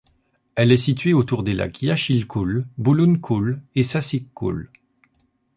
Elle est située autour des lacs Yashilkul, Bulun-Kul et Sasyk-Kul.